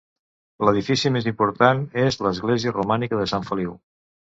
L'edifici més important és l'església romànica de Sant Feliu.